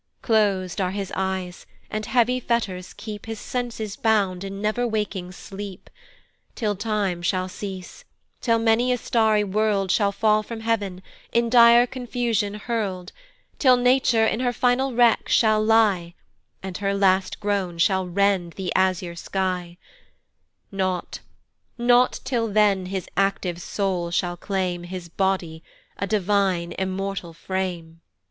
Clos'd are his eyes, and heavy fetters keep His senses bound in never waking sleep, Till time shall cease, till many a starry world Shall fall from heav'n, in dire confusion hurl'd Till nature in her final wreck shall lie, And her last groan shall rend the azure sky: Not, not till then his active soul shall claim His body, a divine immortal frame.